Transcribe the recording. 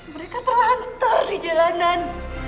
mereka terlantar di jalanan